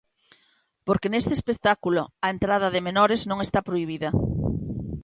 Porque neste espectáculo a entrada de menores non está prohibida.